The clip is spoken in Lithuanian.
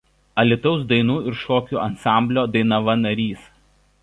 Alytaus dainų ir šokių ansamblio „Dainava“ narys.